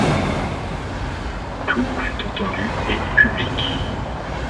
Tout fut entendu et public.